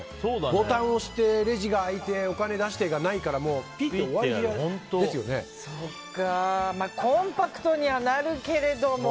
ボタンを押して、レジが開いてお金出してがないからまあ、コンパクトにはなるけれども。